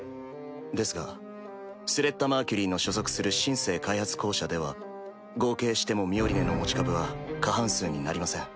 ですがスレッタ・マーキュリーの所属する「シン・セー開発公社」では合計してもミオリネの持ち株は過半数になりません。